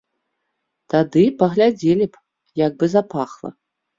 Тады паглядзелі б, як бы запахла.